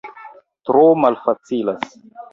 Tro malfacilas